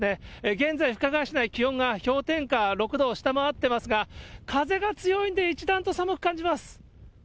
現在、深川市内、気温が氷点下６度を下回っていますが、風が強いんで、一段と寒く感じます。